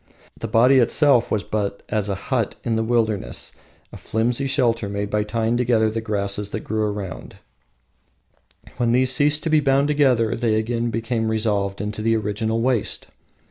The body itself was but as a hut in the wilderness, a flimsy shelter made by tying together the grasses that grew around, when these ceased to be bound together they again became resolved into the original waste.